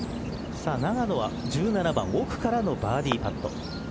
永野は１７番奥からのバーディーパット。